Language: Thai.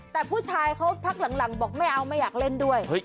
แต่ผู้ชายเขาพักหลังบอกไม่เอาไม่อยากเล่นด้วย